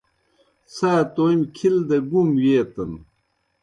څھا تومیْ کِھل دہ گُوم ویتَن۔